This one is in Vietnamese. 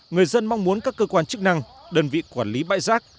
người dân mong muốn các cơ quan chức năng đơn vị quản lý bãi rác